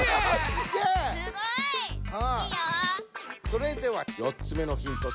それでは４つ目のヒント